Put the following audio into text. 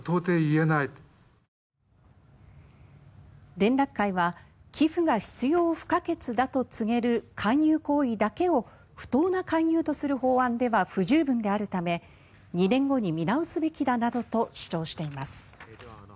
連絡会は寄付が必要不可欠だと告げる勧誘行為だけを不当な勧誘とする法案では不十分であるため２年後に見直すべきだなどと主張しています。